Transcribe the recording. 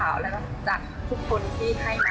แล้วก็จากทุกคนที่ให้มา